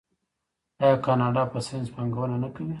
آیا کاناډا په ساینس پانګونه نه کوي؟